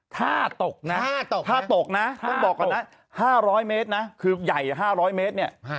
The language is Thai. ถ้าตกนะถ้าตกนะต้องบอกก่อนนะ๕๐๐เมตรนะคือใหญ่๕๐๐เมตรเนี่ย